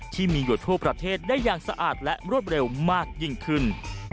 ที่มีอยู่ทั่วประเทศได้อย่างสะอาดและรวดเร็วมากยิ่งขึ้น